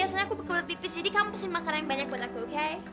sebenernya aku beli mulut pipis jadi kamu pesen makanan yang banyak buat aku oke